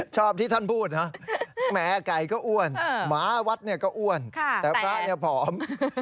ชอบที่ท่านพูดนะแม่ไก่ก็อ้วนหมาวัดก็อ้วนแต่พระพร้อม